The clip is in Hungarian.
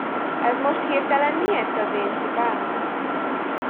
Ez most hirtelen miért az én hibám?